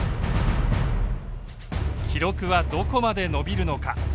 記録はどこまで伸びるのか。